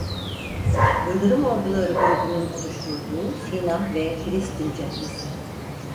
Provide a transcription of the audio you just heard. Yıldırım Orduları Grubu nun oluşturduğu Sina ve Filistin Cephesi.